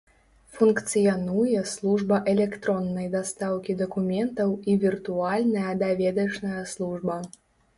Функцыянуе служба электроннай дастаўкі дакументаў і віртуальная даведачная служба.